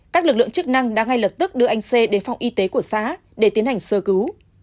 các lực lượng chức năng đã ngay lập tức đưa anh c đến phòng y tế của xã để tiến hành sơ cứu